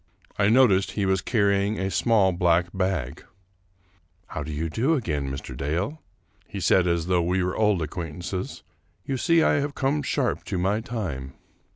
I noticed he was carrying a small black bag. " How do you do again, Mr. Dale ?" he said as though we were old acquaintances ;" you see I have come sharp to my time."